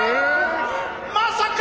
まさか！